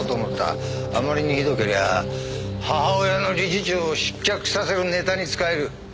あまりにひどけりゃ母親の理事長を失脚させるネタに使える。